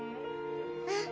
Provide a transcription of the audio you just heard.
うん。